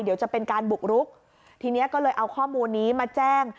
เดี๋ยวจะเป็นการบุกรุกทีนี้ก็เลยเอาข้อมูลนี้มาแจ้ง